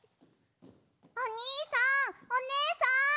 おにいさんおねえさん！